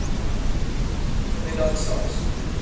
مدال ساز